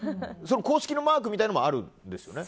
公式のマークみたいなものもあるんですよね。